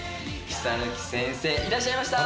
木佐貫先生、いらっしゃいました。